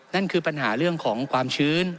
นั่นคือปัญหาเรื่องของความชื้น